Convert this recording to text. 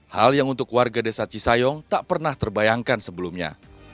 hal yang untuk warga desa cisayong tak pernah terbayangkan sebelumnya